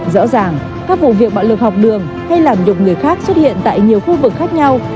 rõ ràng các vụ việc bạo lực học đường hay làm đục người khác xuất hiện tại nhiều khu vực khác nhau